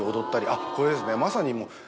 あっこれですねまさに。